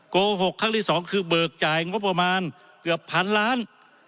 โกหกครั้งที่สองคือเบิกจ่ายงบประมาณเกือบพันล้าน